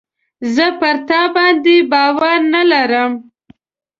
زه پر تا باندي باور نه لرم .